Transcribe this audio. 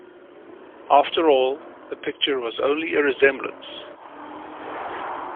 After all, the picture was only a resemblance.